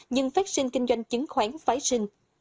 nhưng phát sinh kinh doanh chứng khoán phái sinh